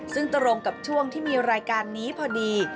ซึ่งตรงกับช่วงที่มีรายการนี้พอดี